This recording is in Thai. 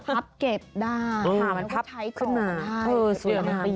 พับเก็บได้สื้อข้ามันพับขึ้นแล้วใช้ของทาง